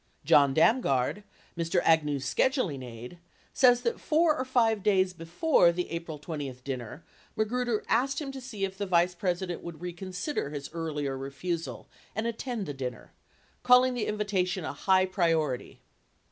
John Damgard, Mr. Agnew's scheduling aide, says that 4 or 5 days before the April 20 dinner, Magruder asked him to see if the Vice President would recon sider his earlier refusal and attend the dinner, calling the invitation a "high priority."